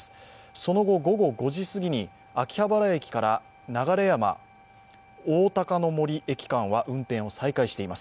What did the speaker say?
その後、午後５時すぎに秋葉原駅から流山おおたかの森駅間は運転を再開しています。